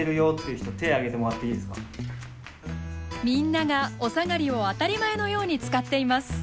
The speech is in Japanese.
みんながおさがりを当たり前のように使っています。